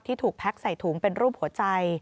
ถูกแพ็กใส่ถุงเป็นรูปหัวใจ